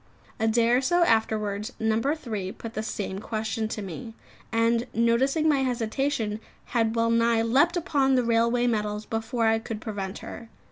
A day or so afterwards, No. 3 put the same question to me, and noticing my hesitation, had well nigh leapt upon the railway metals before I could prevent her.